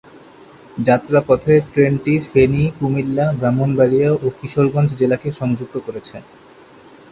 যাত্রাপথে ট্রেনটি ফেনী, কুমিল্লা, ব্রাহ্মণবাড়িয়া ও কিশোরগঞ্জ জেলাকে সংযুক্ত করেছে।